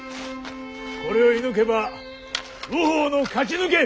これを射ぬけば右方の勝ち抜け！